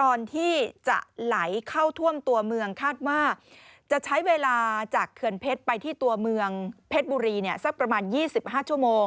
ก่อนที่จะไหลเข้าท่วมตัวเมืองคาดว่าจะใช้เวลาจากเขื่อนเพชรไปที่ตัวเมืองเพชรบุรีสักประมาณ๒๕ชั่วโมง